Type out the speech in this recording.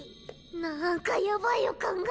なんかやばい予感が。